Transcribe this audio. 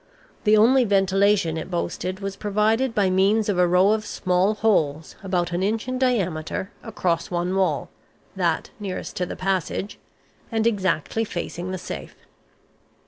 The only ventilation it boasted was provided by means of a row of small holes, about an inch in diameter, across one wall that nearest to the passage and exactly facing the safe.